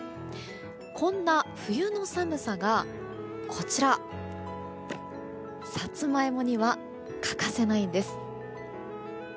こんな冬の寒さがサツマイモには欠かせないんです。